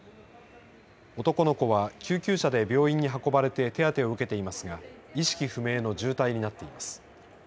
男の子は救急車で病院に運ばれて手当てを受けていますが意識不明の重体になっています。